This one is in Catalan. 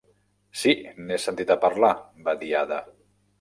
"Sí, n'he sentit a parlar", va dir Ada.